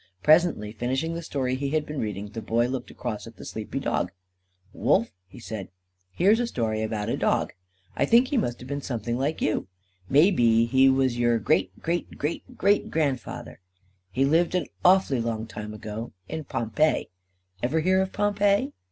Presently, finishing the story he had been reading, the Boy looked across at the sleepy dog. "Wolf," he said, "here's a story about a dog. I think he must have been something like you. Maybe he was your great great great great grandfather. He lived an awfully long time ago in Pompeii. Ever hear of Pompeii?"